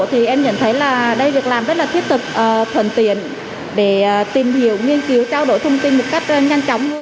thì em nhận thấy là đây việc làm rất là thiết thực thuận tiện để tìm hiểu nghiên cứu trao đổi thông tin một cách nhanh chóng hơn